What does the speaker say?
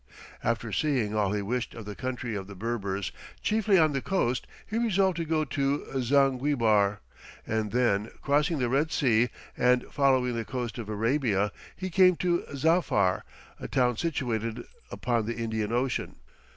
After seeing all he wished of the country of the Berbers, chiefly on the coast, he resolved to go to Zanguebar, and then, crossing the Red Sea and following the coast of Arabia, he came to Zafar, a town situated upon the Indian Ocean.